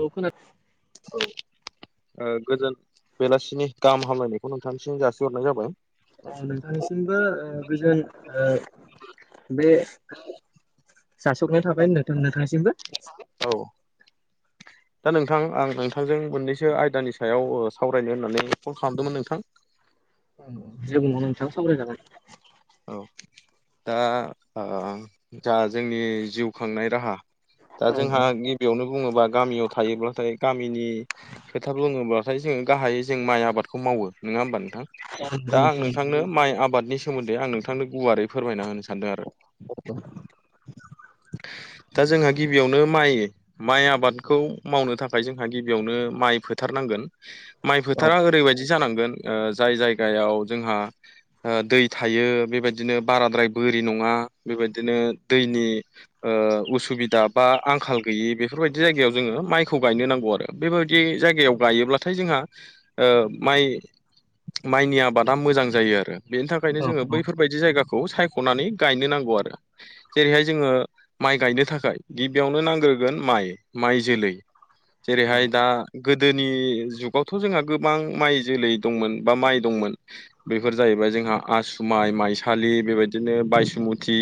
औ खोनादों ओ गोजोन बेलासिनि गाहाम हामलायनायखौ नोंथांनिसिम जासिहरनाय जाबाय। नोंथांनिसिमबो गोजोन ओ बे जासिहरनाय थाबाय नोंथां नोंथांसिमबो। औ दा नोंथां आं नोंथांजों मोननैसो आयदानि सायाव ओ सावरायनो होननानै कल खालामदोंमोन नोंथां। औ जेबो नंङा नोथां सावरय जागोन। औ दा ओ जा जोंनि जिउ खांनाय राहा दा औ जोंहा गिबियावनो बुङोबा गामियाव थायोब्लाथाय गामिनि खोथा बुङोब्लाथाय जोङो गाहायै जों माइ आबादखौ मावो नङा होमबा नो नंगौ दा आं नोंथां नोंथांनो माइ आबादनि सो मोनदै आं नोंथांनो गुवारै फोरमायना होनो सानदों आरो। [inaudible] दा जोंहा गिबियावनो माइ माइ आबादखौ मावनो थाखाय जोंहा गिबियावनो माइ फोथारनांगोन। माइ औ फोथारा ओरैबायदि जानांगोन ओ जाय जायगायाव जोंहा ओ दै थायो बेबायदिनो बाराद्राय बोरि नङा बेबायदिनो दैनि ओ उसुबिदाब बा आंखाल गैयि बेफोरबायदि जायगायाव जोङो माइखौ गायनो नांगौ आरो बेबायदि जायगायाव गायोब्लाथाय जोंहा ओ माइ माइनि आबादा मोजां जायो आरो बेनि थाखायनो औ जोङो बैफोरबायदि जायगाखौ सायख'नानै गायनो नांगौ आरो जेरैहाय जोङो माइ गायनो थाखाय गिबियावनो नांग्रोगोन माइ माइ जोलै औ जेरैहाय दा गोदोनि जुगावथ' जोंहा गोबां माइ जोलै दंमोन बा माइ दंमोन। बेफोर जाहैबाय जोंहा आसुमाइ माइसालि बेबायदिनो बायसुमुति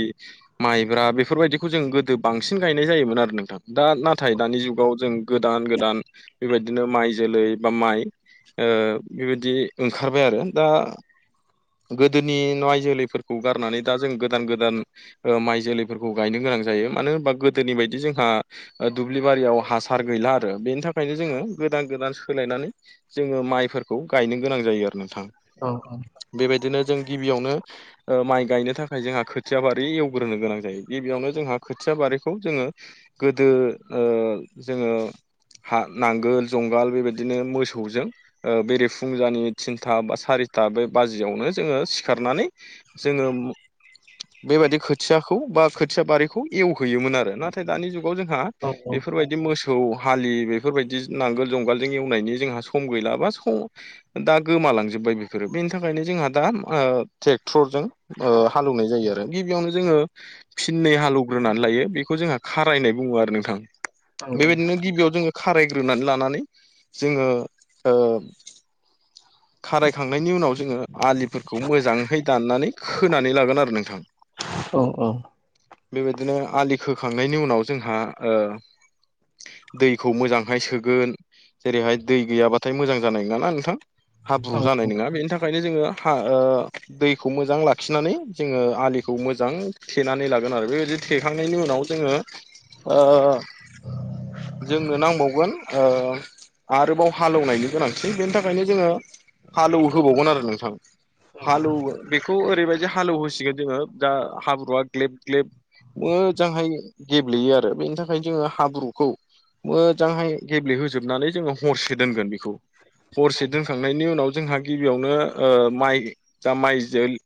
माइब्रा बेफोरबायदिखौ जों गोदो बांसिन गायनाय जायोमोन आरो नोंथां। दा नाथाय दानि जुगाव जों गोदान गोदान बेबायदि बिदिनो माइ जोलै बा माइ ओ बेबायदि ओंखारबाय आरो। दा गोदोनि माइ जोलैफोरखौ गारनानै दा जों गोदान गोदान माइ जोलैफोरखौ गायनो गोनां जायो मानो होनबा गोदोनि बायदि जोंहा दुब्लि बारियाव हासार गैला आरो बेनि थाखायनो जोङो गोदान गोदान सोलायनानै जोङो माइफोरखौ गायनो गोनां जायो आरो नोंथां अ अ बेबायदिनो जों गिबियावनो ओ माइ गायनो थाखाय जोंहा खोथिया बारि एवग्रोनो गोनां जायो। गिबियावनो जोंहा खोथिया बारिखौ जोङो गोदो ओ जोङो हा नांगोल जुंगाल बेबायदिनो मोसौजों बेरे फुंजानि थिनथा बा सारिथा बे बाजियावनो जोङो सिखारनानै जोङो बेबायदि खोथियाखौ बा खोथिया बारिखौ एवहैयोमोन आरो नाथाय दानि जुगाव जोंहा औ औ बेफोरबायदि बिदि मोसौ हालि बेफोरबायदि नांगोल जुंगालजों एवनायनि जोंहा सम गैला बा सम दा गोमालांजोब्बाय बेफोरो बेनि थाखायनो जोंहा दा ओ ट्रेक्टरजों ओ हालेवनाय जायो आरो गिबियावनो जोङो फिननै हालेवग्रोनानै लायो बेखौ जोंहा खारायनाय बुङो आरो नोंथां बेबायदिनो गिबियाव जोङो खारायग्रोनानै लानानै जोङो ओ खारायखांनायनि उनाव जोङो आलिफोरखौ मोजांहै दाननानै खोनानै लागोन आरो नोंथां औ औ बेबायदिनो आलि खोखांनायनि उनाव जोंहा ओ दैखौ मोजांहाय सोगोन जेरैहाय दै गैयाबाथाय मोजां जानाय नङाना नोंथां? हाब्रु जानाय नङा बेनि थाखायनो जोङो हा दैखौ मोजां लाखिनानै जोङो आलिखौ मोजां थेनानै लागोन आरो बेबायदि थेखांनायनि उनाव जोङो जोंनो नांबावगोन आरोबाव हालेवनायनि गोनांथि बेनि थाखायनो जोङो हालौ होबावगोन आरो नोंथां हालौ बेखौ ओरैबायदि हालेवहोसिगोन जोङो दा हाब्रुआ ग्लेब ग्लेब मोजांहाय गेब्लेयो आरो बेनि थाखायनो जोङो हाब्रुखौ मोजांहाय गेब्लेहोजोबनानै जोङो हरसे दोनगोन बे हरसे दोनखांनायनि उनाव जोंहा गिबियावनो माइ जा माय जोल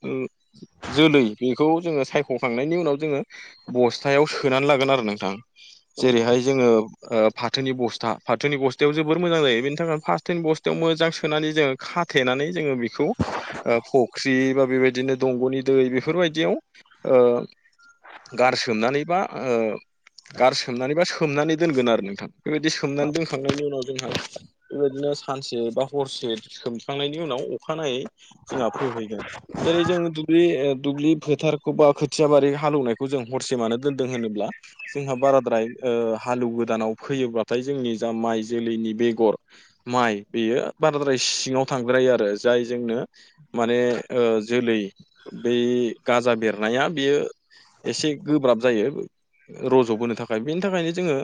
जोलै बेखौ जोङो सायख'खांनायनि उनाव जोङो बस्थायाव सोनानै लागोन आरो नोंथां जेरैहाय जोङो फाथोनि बस्था फाथोनि बस्थायाव जोबोर मोजां जायो बेनि थाखायनो फाथोनि बस्थायाव मोजां सोनानै जों खाथेनानै जोङो बेखौ फुख्रि बा बेबायदिनो दंग'नि दै बेफोरबायदियाव गारसोमनानै बा गार सोमनानै बा सोमनानै दोनगोन आरो नोंथां बेबायदि सोमनानै दोनखांनायनि उनाव जोंहा बेबायदिनो सानसे बा हरसे सोमखांनायनि उनाव अखानायै जोंहा फोहैगोन जेरै जों बे दुब्लि फोथारखौ बा खोथिया बारि हालौवनायखौ जों हरसे मानो दोनदों होनोब्ला जोंहा बाराद्राय हालौ गोदानाव फैयोब्लाथाय जोंनि जा माइ जोलैनि बेगर माइ बेयो बाराद्राय सिङाव थांद्रायो आरो जाय जोंनो माने जोलै बै गाजा बेरनाया बेयो एसे गोब्राब जायो रज'बोनो थाखाय बेनि थाखायनो जोङो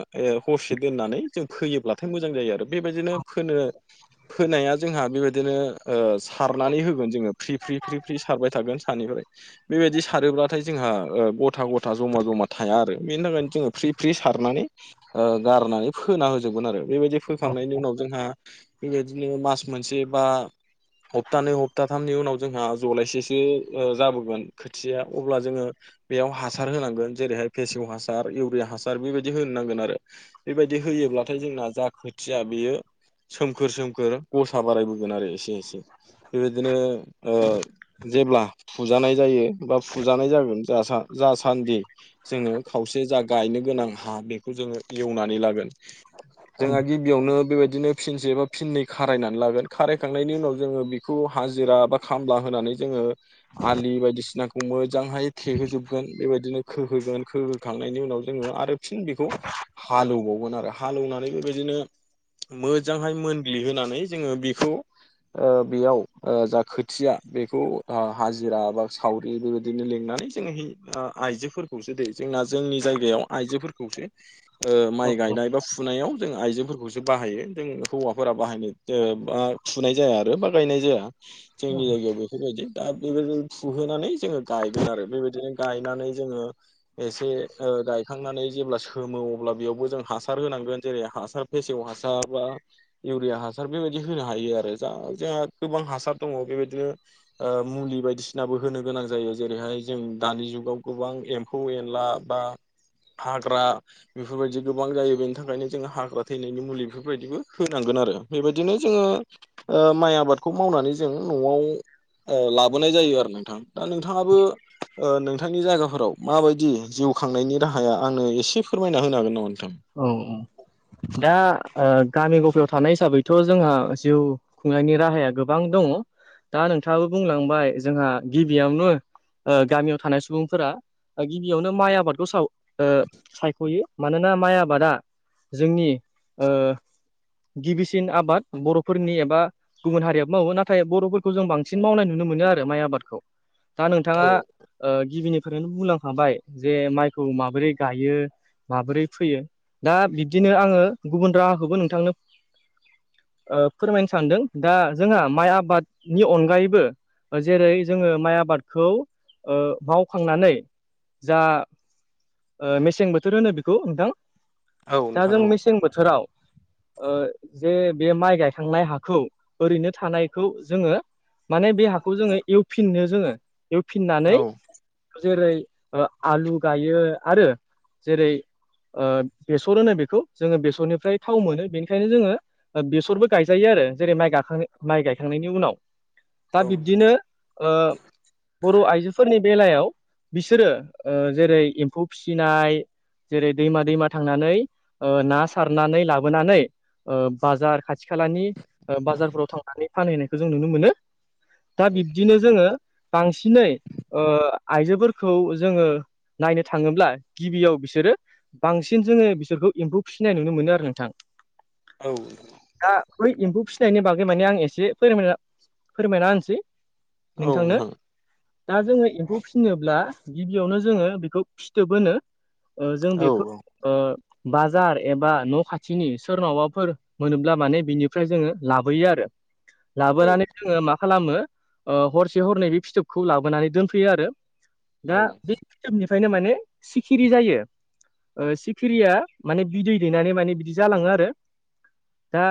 हरसे दोननानै जों फैयोब्लाथाय मोजां जायो आरो बेबायदिनो फोनो फोनाया जोंहा बेबायदिनो सारनानै होगोन जोङो फ्रि फ्रि फ्रि फ्रि सारबाय थागोन सानिफ्राय बेबायदि सारोब्ला नाथाय जोंहा गथा गथा जमा जमा थाया आरो बेनि थाखायनो जोङो फ्रि फ्रि सारनानै गारनानै फोना होजोबगोन आरो बेबायदि फोखांनायनि उनाव जोंहा बेबायदिनो मास मोनसे बा हप्तानै हप्ताथामनि उनाव जोंहा जलायसेसो जाबोगोन खोथिया अब्ला जोङो बेयाव हासार होनांगोन जेरैहाय फेसेव हासार इउरिया हासार बेबायदि होनो नांगोन आरो बेबायदि होयोब्लाथाय जोंना जा खोथिया बेयो सोमखोर सोमखोर गसा बारायबोगोन आरो एसे एसे बेबायदिनो जेब्ला फुजानाय जायो बा फुजानाय जागोन जासान्दि जोङो खावसे जा गायनो गोनां हा बेखौ जोङो एवनानै लागोन जोंहा गिबियावनो बेबायदिनो फिनसे एबा फिनै खारायनानै लागोन खारायखांनायनि उनाव जोङो बेखौ हाजिरा बा खामला होनानै जोङो आलि बायदिसिनाखौ मोजांहाय थेहोजोबगोन बेबायदिनो खोहोगोन खोहोखांनायनि उनाव जोङो आरो बांसिन बेखौ हालौबावगोन आरो हालेवनानै बेबायदिनो मोजांहाय मोन ग्लिहोनानै जोङो बेखौ बेयाव जा खोथिया बेखौ हाजिरा बा सावरि बेबायदिनो लिंनानै जोङोह आइजोफोरखौसो दे जोंना जोंनि जायगायाव आइजोफोरखौसो माइ गायनाय बा फुनायाव जों आइजोेंफोरखौसो बाहायो जों हौवा फोर बाहायनो बा फुनाय जाया आरो बा गायनाय जाया जोंनि जायगायाव बेफोरबायदि दा बेबायदिनो फुहोनानै जोङो गायगोन आरो बेबायदिनो गायनानै जोङो एसे गायखांनानै जेब्ला सोमो अब्ला बेयावबो जों हासार होनांगोन जेरै हासार फेसेव हासार बा इउरिया हासार बेबायदि होनो हायो आरो जोंहा गोबां हासार दङ बेबायदिनो मुलि बायदिसिनाबो होनो गोनां जायो जेरैहाय जों दानि जुगाव गोबां एम्फौ एनला बा हाग्रा बेफोरबायदि गोबां जायो बेनि थाखायनो जोंङ हाग्रा थैनायनि मुलि बेफोरबायदिबो फांगोन आरो बेबायदिनो जोङो माइ आबादखौ मावनानै जों न'आव लाबोनाय जायो आरो नोंथां दा नोंथाङाबो नोंथांनि जायगाफोराव माबायदि जिउ खांनायनि राहाया आंनो एसे फोरमायना होनो हागोन नामा नोंथां औ औ दा गामि गफायाव थानाय हिसाबैथ' जोंहा जिउ खुंनायनि राहाया गोबां दङ दा नोंथाङाबो बुंलांबाय जोंहा गिबियावनो गामियाव थानाय सुबुंफोरा गिबियावनो माइ आबादखौ स सायख'यो मानोना माइ आबाद आबादा जोंनि गिबिसिन आबाद बर'फोरनि एबा गुबुन हारिय मावो नाथाय बर'फोरखौ जों बांसिन मावनाय नुनो मोनो आरो माइ आबादखौ दा औ नोंथाङा गिबिनि नो बुंलांखाबाय जे माइखौ माबोरै गायो माबोरै फैयो दा बिब्दिनो आङो गुबुन राहाखौबो नोंथांनो फोरमायनो सानदों दा जोंहा माइ आबादनि अनगायैबो जेरै जोङो माइ आबादखौ मावखांनानै जा मेसें बोथोर होनो बेखौ नोंथां औ दा नोंथां जों औ मेसें बोथोराव जे बे माइ गायखांनाय हाखौ ओरैनो थानायखौ जोङो माने बे हाखौ जोङो एवफिननो जोङो बेयाव फिननानै औ जेरै आलु गायो आरो जेरै बेसर होनो बेखौ जोङो बेसरनिफ्राय थाव मोनो बेनिखायनो जोङो बेसरबो गायजायो आरो जेरै माइ गाखां माइ गायखांनायनि उनाव औ दा नोंथां बिब्दिनो आ बर' आइजोफोरनि बेलायाव बिसोरो जेरै एम्फौ फिसिनाय जेरै दैमा दैमा थांनानै ना सारनानै लाबोनानै बाजार खाथि खालानि बाजारफोराव थांनानै फानहैनायखौ जों नुनो मोनो दा बिब्दिनो जोङो बांसिनै आइजोफोरखौ जोङो नायनो थाङोब्ला गिबियाव बिसोरो बांसिन जोङो बिसोरखौ एम्फौ फिसिनाय नुनो मोनो आरो नोंथां औ दा बै एम्फौ फिसिनायनि बागै मानिे आं एसे फोरायना फोरमायना होनसै नोंथांनो दा जोङो एम्फौ फिनोब्ला गिबियावनो जोङो बेखौ फिथोबोबोनो जों औ नोंथां औ नोंथां औ बेखौ बाजार एबा न' खाथिनि सोरनावाफोर मोनोब्ला माने बिनिफ्राय जोङो लाबोयो आरो ओ औ लाबोनानै जोङो मा खालामो हरसे हरनै बे फिथोबखौ लाबोनानै दोनफैयो आरो दा बे खिथोबनिफ्रायनो माने सिखिरि जायो सिखिरिया माने बिदै दैनानै माने बिदि जालाङो आरो दा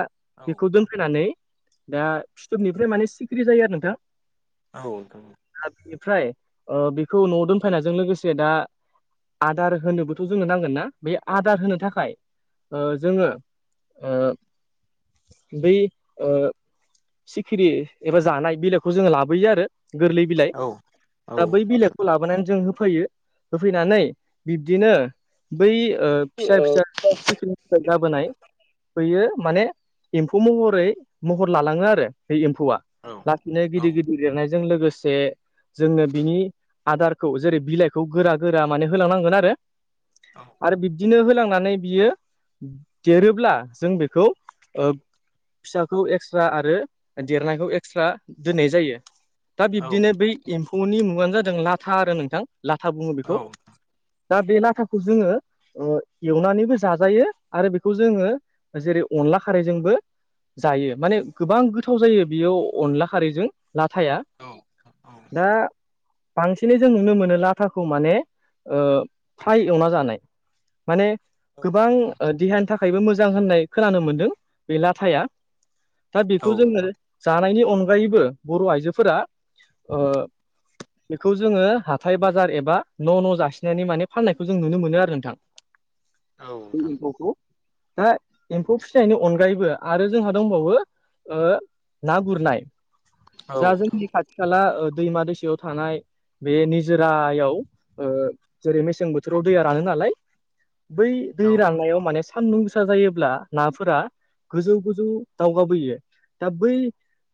बेखौ दोनफैनानै दा फिथोबनिफ्राय माने सिखिरि जायो आरो नोंथां औ बेनिफ्राय बेखौ न' दोनफैनायजों लोगोसे दा आदार होनोबो थ' जोंनो नांगोन ना बे आदार होनो थाखाय जोंङो ओ बै ओ सिखिरि एबा जानाय बिलाइखौ जोंङो लाबोयो आरो गोरलै बिलाइ दा बै बिलाइखौ लाबोनानै जों होफैयो होफैनानै बिब्दिनो बै ओ फिसा फिसा सिख्रिरिनिफाय जाबोनाय बैयो माने एम्फौ महरै महर लालांङो आरो बे एम्फौआ लासैनो गिदिर गिदिर लिरनायजों लोगोसे जोंनो बिनि आदारखौ जेरै बिलाइखौ गोरा गोरा माने होलांनांगोन आरो। आरो बिब्दिनो होलांनानै बियो देरोब्ला जों बेखौ ओ फिसाखौ एक्सट्रा आरो देरनायखौ एक्सट्रा दोननाय जायो। दा औ बिब्दिनो बै एम्फौनि मुंङानो जादों लाथा आरो नोंथां लाथा बुंङो औ बेखौ। दा बे लाथाखौ जोंङो ओ एवनानैबो जाजायो आरो बेखौ जोंङो जेरै अनला खारैजोंबो जायो माने गोबां गोथाव जायो बियो अनला खारैजों लाथाया। औ दा बांसिनै जों नुनो मोनो लाथाखौ माने ओ फ्राइ एवना जानाय माने औ गोबां ओ देहानि थाखाय थाखायबो मोजां होननाय खोनानो मोनदों बे लाथाया दा बेखौ जोंङो नोंथां जानायनि अनगायैबो बर' आइजोफोरा ओ बेखौ जोंङो हाथाय बाजार एबा न' न' जासिनानै माने फान्नायखौ जों नुनो मोनो आरो नोंथां। औ नोंथां दा एम्फौ फिसिनायनि अनगायैबो आरो जोंहा दंबावो ओ ना गुरनाय औ जा जोंनि खाथि थि खाला ओ दैमा दैसायाव थानाय बे निजोरायाव ओ जेरै मे सें बोथोराव दैया रानोलाय बै नोंथां दै औ रानायाव माने सान्दुं गोसा जायोब्ला नाफोरा गोजौ गोजौ दावगाबोयो दा बै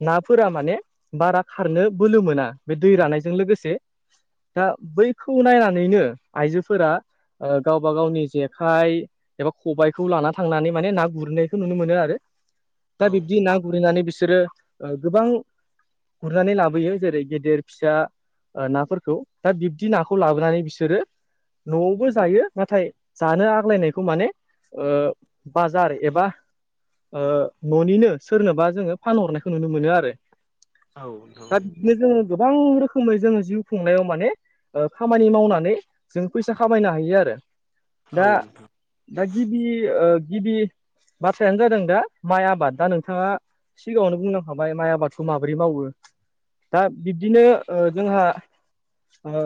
नाफोरा माने बारा खारनो बोलो मोना बे दै रानायजों लोगोसे दा बैखौ नायनानैनो आइजोफोरा ओ गावबा गावनि जेखाइ एबा खबायाइखौ लाना थांनानै माने ना गुरैनायखौ नुनो मोनो आरो औ दा बिब्दि ना गुरैनानै बि बिसोरो गोबां ओ गुरनानै लाबोयो जेरै गेदेर, फिसा ओ नाफोरखौ दा बिब्दि नाखौ लाबोनानै बिसोरो न'आवबो जायो नाथाय जानो आग्लायनायखौ माने ओ बाजार एबा ओ न'निनो सोरनोबा जोंङो फानहरनायखौ नुनो मोनो आरो। औ दा नोंथां बिदिनो जोंङो गोबां रोखोमै जोंङो जिउ खुंनायाव माने ओ खामानि मावनानै जों फैसा खामायनो हायो आरो औ दा नोंथां दा गिबि ओ गिबि बाथ्रायानो जादों दा माइ आबाद दा नोंथांङा सिगांङावनो बुंलांखाबाय माइ आबादखौ माबोरै मावो। दा बिब्दिनो ओ जोंहा ओ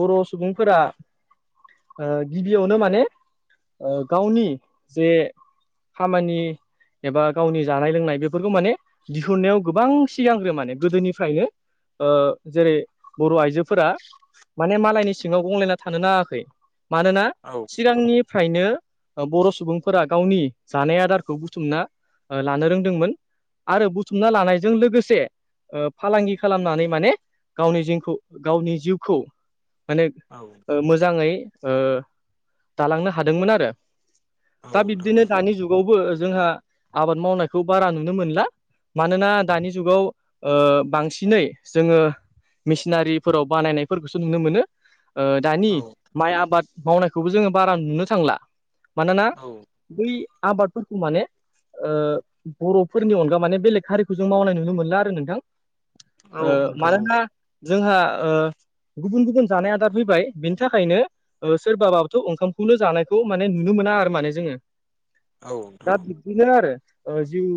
बर' सुबुंफोरा ओ गिबियावनो माने ओ गावनि जे खामानि एबा गावनि जानाय लोंनाय बेफोरखौ माने दिहुननायाव गोबां सिगांग्रो माने गोदोनिफ्रायनो ओ जेरै बर' आइजोफोरा माने मालायनि सिंङाव गंलायना थानो नांङाखै मानोना औ सिगांनि फ्रायनो बर' सुबुंफोरा गावनि जानाय आदारखौ बुथुमना ओ लानो रोंदोंमोन आरो बुथुमना लानायजों लोगोसे ओ फालांगि खालामनानै माने गावनि जिंखौ गावनि जिउखौ माने औ ओ मोजांङै ओ दालांनो हादोंमोन आरो औ दा नोंथां बिब्दिनो दानि जुग बावबो जोंहा आबाद मावनायखौ बारा नुनो मोनला। मानोना दानि जुगाव ओ बांसिनै जोङो मेसिनारिफोराव बानायनायफोरखौसो नुनो मोनो। ओ दानि औ माइ आबाद मावनायखौबो जोङो बारा नुनो थांला मानोना औ। बै आबादफोरखौ माने ओ बर'फोरनि अनगा माने बेलेग हारिखौ जों मावनाय नुनो मोनला आरो नोंथां। ओ नोंथां औ मानोना जोंहा ओ गुबुन गुबुन जानाय आ आ फैबाय बिनि थाखायनो ओ सोरबाबाबोथ' ओंखामखौनो जानायखौ माने नुनो मोना आरो माने जोङो औ दा नोंथां औ बिदिनो आरो जिउ